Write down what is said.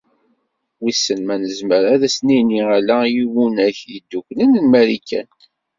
Wissen ma nezmer ad sen-nini ala i Iwunak Yedduklen n Marikan?